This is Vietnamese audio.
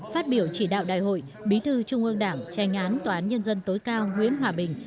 phát biểu chỉ đạo đại hội bí thư trung ương đảng tranh án toán nhân dân tối cao nguyễn hòa bình